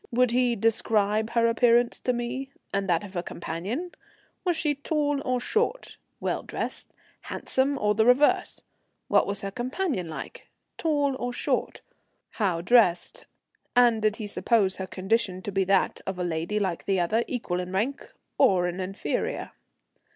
Would he describe her appearance to me, and that of her companion? Was she tall or short? Well dressed, handsome, or the reverse? What was her companion like? Tall or short? How dressed, and did he suppose her condition to be that of a lady like the other, equal in rank, or an inferior?